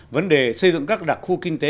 vấn đề xây dựng các đặc khu kinh tế